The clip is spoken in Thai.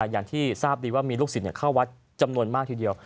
อย่างที่ทราบดีว่ามีลูกศิษย์เข้าวัดจำนวนมากทีเดียว